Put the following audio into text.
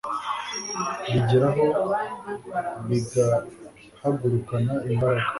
Bigera aho bigahagurukana imbaraga